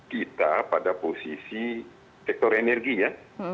kita pada posisi sektor energi ya